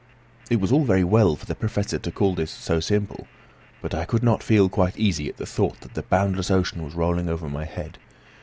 It was all very well for the Professor to call this so simple, but I could not feel quite easy at the thought that the boundless ocean was rolling over my head.